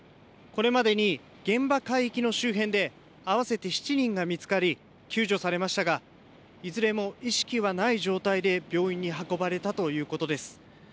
これまでに現場海域の周辺で合わせて７人が見つかり救助されましたがいずれも意識はない状態で病院に運ばれたということです。